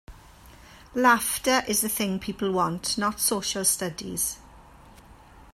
Laughter is the thing people want-not social studies.